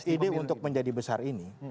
ide untuk menjadi besar ini